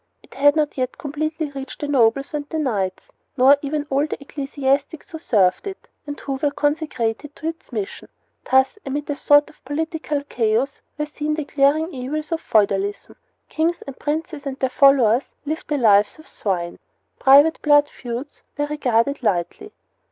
It had not yet completely reached the nobles and the knights, or even all the ecclesiastics who served it and who were consecrated to its mission. Thus, amid a sort of political chaos were seen the glaring evils of feudalism. Kings and princes and their followers lived the lives of swine. Private blood feuds were regarded lightly.